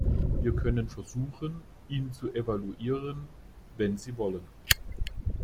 Wir können versuchen, ihn zu evaluieren, wenn Sie wollen.